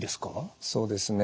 そうですね。